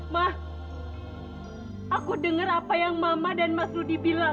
mah aku dengar apa yang mama dan mas rudy bilang